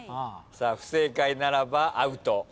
さあ不正解ならばアウト。